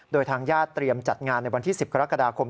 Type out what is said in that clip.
โดยทางญาติเตรียมจัดงานในวันที่๑๐กรกฎาคม